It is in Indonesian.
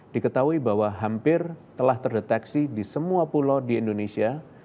diketahui bahwa hampir telah terdeteksi di semua pulau di indonesia